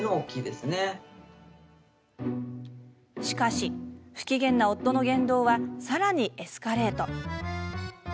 しかし、不機嫌な夫の言動はさらにエスカレート。